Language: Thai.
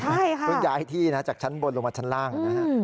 ใช่ค่ะเพิ่งย้ายที่นะจากชั้นบนลงมาชั้นล่างนะฮะ